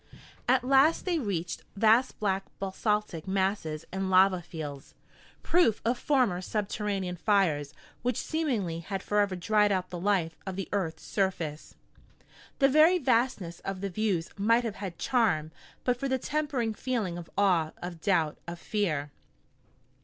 At last they reached vast black basaltic masses and lava fields, proof of former subterranean fires which seemingly had forever dried out the life of the earth's surface. The very vastness of the views might have had charm but for the tempering feeling of awe, of doubt, of fear.